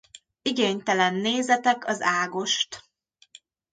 Igénytelen nézetek az ágost.